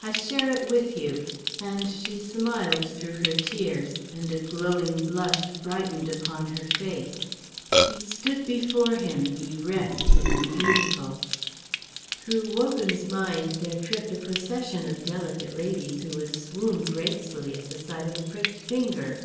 "I share it with you;" and she smiled through her tears and a glowing blush brightened upon her face. She stood before him, erect and beautiful. Through Wogan's mind there tripped a procession of delicate ladies who would swoon gracefully at the sight of a pricked finger.